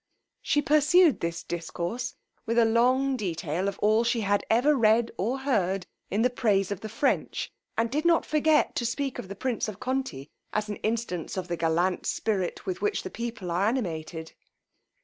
She pursued this discourse with a long detail of all she had ever read or heard in the praise of the French, and did not forget to speak of the prince of Conti as an instance of the gallant spirit with which that people are animated.